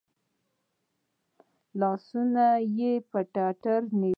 لاسونه یې پر ټتر ونیول .